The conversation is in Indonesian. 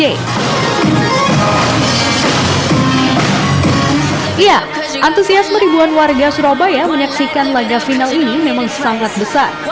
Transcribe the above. iya antusias meribuan warga surabaya menyaksikan laga final ini memang sangat besar